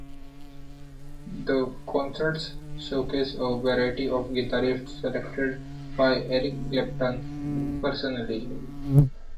The concerts showcase a variety of guitarists, selected by Eric Clapton personally.